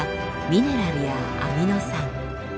ミネラルやアミノ酸。